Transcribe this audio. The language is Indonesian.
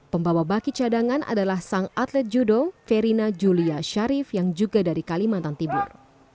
pembawa baki cadangan adalah sang atlet judo verina julia sharif yang juga dari kalimantan timur